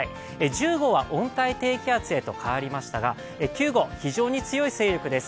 １０号は温帯低気圧へと変わりましたが９号、非常に強い勢力です。